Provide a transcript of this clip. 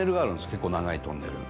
結構長いトンネル。